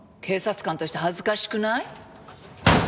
警察官として恥ずかしくない？